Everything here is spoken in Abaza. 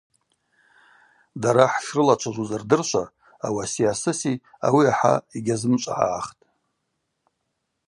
Дара хӏшрылачважвуз рдыршва ауаси асыси ауи ахӏа йгьазымчӏвагӏгӏахтӏ.